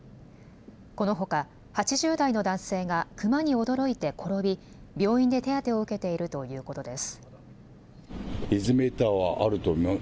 このほか８０代の男性がクマに驚いて転び、病院で手当てを受けているということです。